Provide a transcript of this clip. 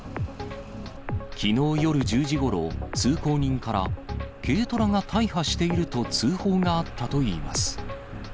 きのう夜１０時ごろ、通行人から、軽トラが大破していると通報があったといいます。